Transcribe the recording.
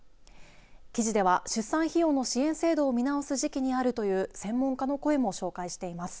記事では出産費用の支援制度を見直す時期にあるという専門家の声も紹介しています。